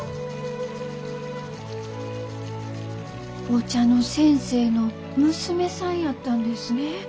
お茶の先生の娘さんやったんですね。